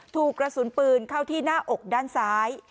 ถูกกระสุนปืนเข้าที่หน้าอกด้านซ้าย